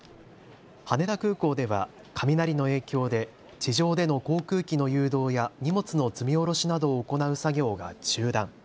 羽田空港では雷の影響で地上での航空機の誘導や荷物の積み降ろしなどを行う作業が中断。